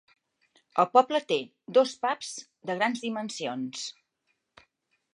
El poble té dos pubs de grans dimensions.